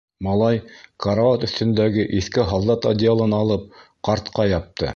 Малай, карауат өҫтөндәге иҫке һалдат одеялын алып, ҡартҡа япты.